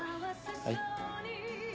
はい？